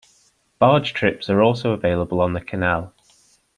Barge trips are also available on the canal.